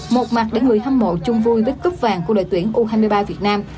một mặt để người hâm mộ chung vui với cúp vàng của đội tuyển u hai mươi ba việt nam